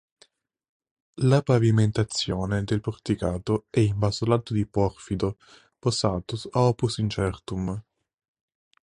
La pavimentazione del porticato è in basolato di porfido posato a opus incertum.